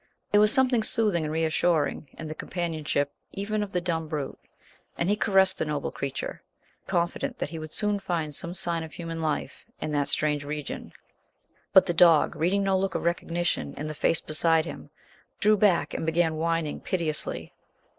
There was something soothing and reassuring in the companionship even of the dumb brute, and he caressed the noble creature, confident that he would soon find some sign of human life in that strange region; but the dog, reading no look of recognition in the face beside him, drew back and began whining piteously.